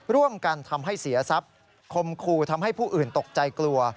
ร่วมกันทำให้เสียทรัพย์คมคู่ทำให้ผู้อื่นตกใจกลัว